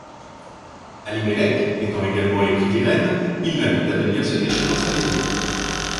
Alimelek étant également épris d’Irène, il l’invite à venir se cacher dans sa maison.